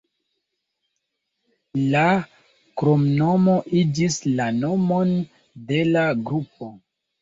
La kromnomo iĝis la nomon de la grupo.